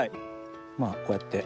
まあこうやって。